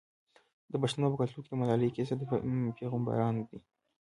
د پښتنو په کلتور کې د مالدارۍ کسب د پیغمبرانو دی.